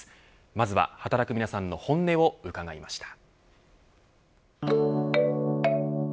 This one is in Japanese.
まずは働く皆さんの本音を伺いました。